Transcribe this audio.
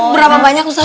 berapa banyak ustaz